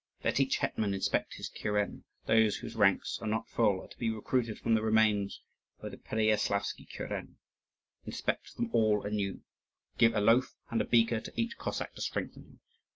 Let each hetman inspect his kuren; those whose ranks are not full are to be recruited from the remains of the Pereyaslavsky kuren. Inspect them all anew. Give a loaf and a beaker to each Cossack to strengthen him.